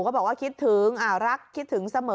ก็บอกว่าคิดถึงรักคิดถึงเสมอ